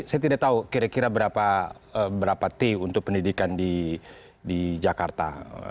saya tidak tahu kira kira berapa t untuk pendidikan di jakarta